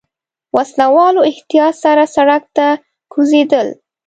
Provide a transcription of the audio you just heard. وسله والو احتياط سره سړک ته کوزېدل.